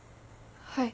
はい。